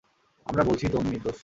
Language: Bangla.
আমরা বলছিই তো উনি নির্দোষ।